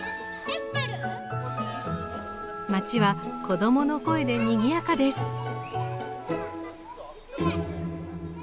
町は子どもの声でにぎやかです。